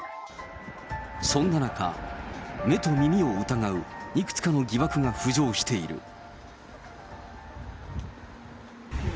そんな中、目と耳を疑ういくつかの疑惑が浮上している。